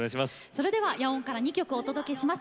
それでは野音から２曲お届けします。